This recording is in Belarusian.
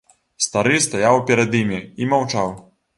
Стары стаяў перад імі і маўчаў.